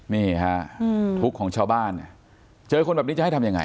นี่ฮะทุกข์ของชาวบ้านเนี่ยเจอคนแบบนี้จะให้ทำยังไง